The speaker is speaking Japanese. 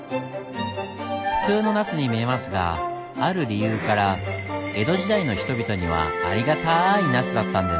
普通のナスに見えますがある理由から江戸時代の人々にはありがたいナスだったんです。